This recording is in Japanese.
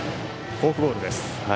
フォークボールです。